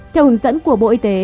theo hướng dẫn của hà nội